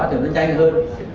thì nó nhanh hơn